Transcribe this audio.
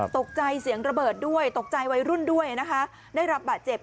ตกใจเสียงระเบิดด้วยตกใจวัยรุ่นด้วยนะคะได้รับบาดเจ็บ